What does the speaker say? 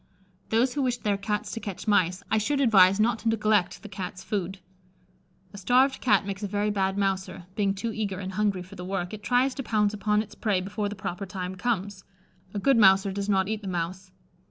Those who wish their Cats to catch mice, I should advise not to neglect the Cat's food. A starved Cat makes a very bad mouser; being too eager and hungry for the work, it tries to pounce upon its prey before the proper time comes. A good mouser does not eat the mouse.